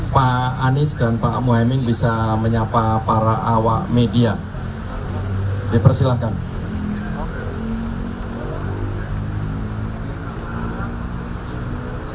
pak anies dan pak muhaymin bisa menyapa para awak media dipersilahkan